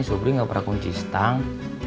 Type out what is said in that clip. sobri gak pernah kunci stang